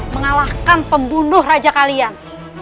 mengalahkan pembunuh raja kalian